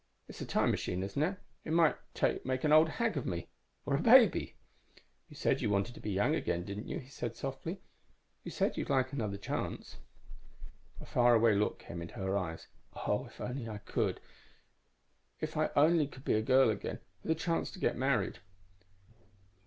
It's a time machine, isn't it? It might make an old hag of me or a baby!"_ "You said that you wanted to be young again, didn't you?" he said softly. "You said you'd like another chance...." _A faraway look came into her eyes. "Oh, if I only could! If I only could be a girl again, with a chance to get married...."